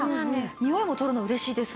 においも取るの嬉しいですね。